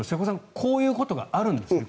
こういうことがあるんですね。